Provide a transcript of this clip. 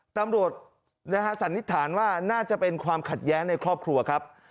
ตำรวจสันนิษฐานว่าน่าจะเป็นความขัดแย้งในครอบครัวครับ